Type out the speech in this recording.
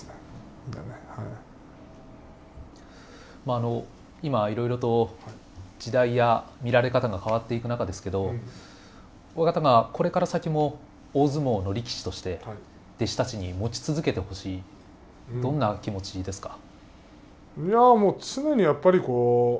あの今いろいろと時代や見られ方が変わっていく中ですけど親方がこれから先も大相撲の力士として弟子たちに持ち続けてほしいどんな気持ちですか。